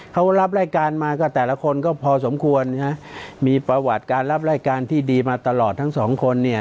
เขารับรายการมาก็แต่ละคนก็พอสมควรมีประวัติการรับรายการที่ดีมาตลอดทั้งสองคนเนี่ย